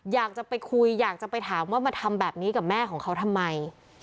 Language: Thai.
อยากจะไปคุยอยากจะไปถามว่ามาทำแบบนี้กับแม่ของเขาทำไม